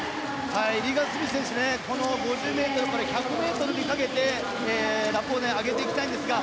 リーガン・スミス選手この５０ｍから１００ｍにかけてラップを上げていきたいんですが